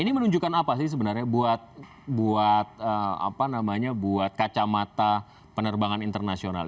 ini menunjukkan apa sih sebenarnya buat kacamata penerbangan internasional